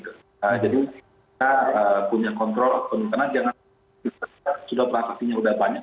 jadi kita punya kontrol penuh karena jangan sudah berhasilnya sudah banyak